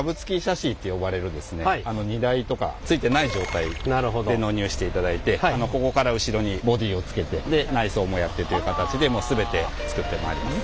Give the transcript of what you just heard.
荷台とかついてない状態で納入していただいてここから後ろにボディーをつけてで内装もやってという形で全て作ってまいります。